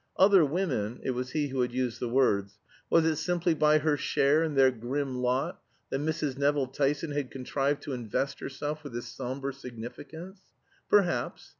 Other women (it was he who had used the words) was it simply by her share in their grim lot that Mrs. Nevill Tyson had contrived to invest herself with this somber significance? Perhaps.